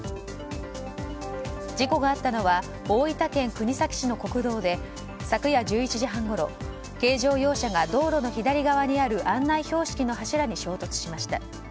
事故があったのは大分県国東市の国道で昨夜１１時半ごろ軽乗用車が道路の左側にある案内標識の柱に衝突しました。